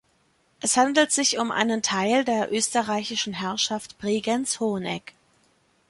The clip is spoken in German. Es handelt sich um einen Teil der österreichischen Herrschaft Bregenz-Hohenegg.